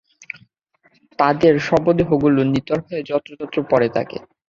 তাদের শবদেহগুলো নিথর হয়ে যত্রতত্র পড়ে থাকে।